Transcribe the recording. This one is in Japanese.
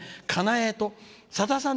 えとさださん